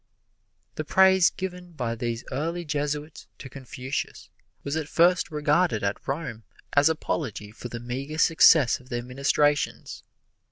The praise given by these early Jesuits to Confucius was at first regarded at Rome as apology for the meager success of their ministrations.